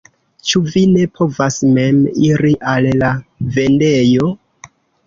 Ĉu vi ne povas mem iri al la vendejo?